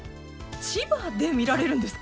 千葉で見られるんですか？